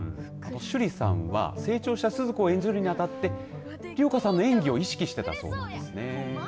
趣里さんは成長した鈴子を演じるにあたって梨丘さんの演技を意識していたそうですね。